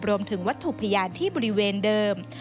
รวมถึงวัตถุพยานที่บริเวณเดิม